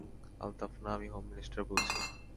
আলতাফ না আমি home minister বলছি।